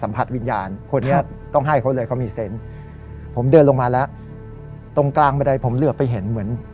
วิญญาณคนนี้ต้องให้เขาเลยเขามีเซนต์ผมเดินลงมาแล้วตรงกลางบันไดผมเหลือไปเห็นเหมือน